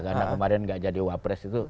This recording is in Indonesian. karena kemarin enggak jadi wapres itu